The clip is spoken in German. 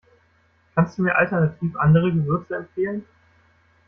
Kannst du mir alternativ andere Gewürze empfehlen?